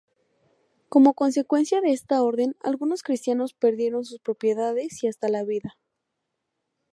Como consecuencia de esta orden, algunos cristianos perdieron sus propiedades y hasta la vida.